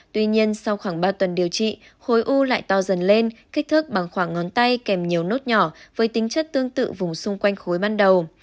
tuy nhiên sau khoảng ba tuần điều trị khối u lại to dần lên kích thước bằng khoảng ngón tay kèm nhiều nốt nhỏ với tính chất tương tự vùng xung quanh khối ban đầu